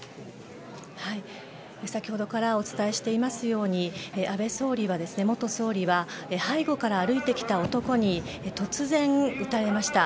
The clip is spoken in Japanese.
先ほどからお伝えしていますように安倍元総理は背後から歩いてきた男に突然、撃たれました。